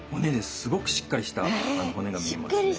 すごくしっかりした骨が見えますね。